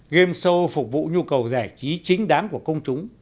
game show phục vụ nhu cầu giải trí chính đáng của công chúng